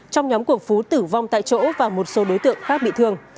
trong nhóm của phú tử vong tại chỗ và một số đối tượng khác bị thương